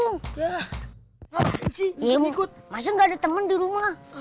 ngikut masa nggak ada temen di rumah